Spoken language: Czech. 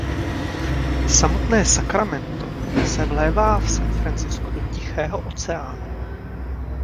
Samotné Sacramento se vlévá v San Franciscu do Tichého oceánu.